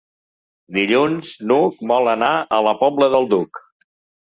Dilluns n'Hug vol anar a la Pobla del Duc.